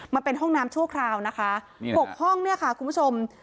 มันเป็นห้องน้ำชั่วคราวนะคะ๖ห้องเนี่ยค่ะคุณผู้ชม